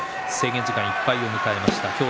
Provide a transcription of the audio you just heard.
制限時間いっぱいを迎えました。